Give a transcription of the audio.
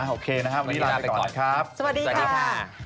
โอเคนะครับวันนี้ลาไปก่อนครับสวัสดีค่ะ